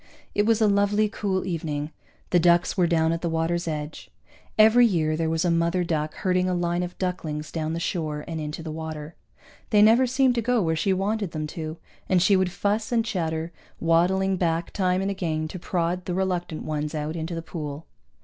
It was a lovely cool evening; the ducks were down at the water's edge. Every year there was a mother duck herding a line of ducklings down the shore and into the water. They never seemed to go where she wanted them to, and she would fuss and chatter, waddling back time and again to prod the reluctant ones out into the pool.